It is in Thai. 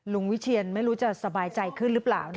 วิเชียนไม่รู้จะสบายใจขึ้นหรือเปล่า